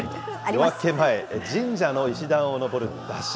夜明け前、神社の階段を登る山車。